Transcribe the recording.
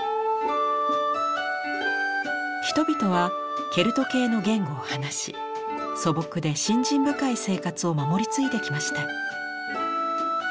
人々はケルト系の言語を話し素朴で信心深い生活を守り継いできました。